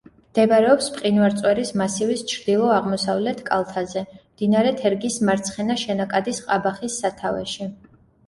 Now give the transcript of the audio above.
მდებარეობს მყინვარწვერის მასივის ჩრდილო-აღმოსავლეთ კალთაზე, მდინარე თერგის მარცხენა შენაკადის ყაბახის სათავეში.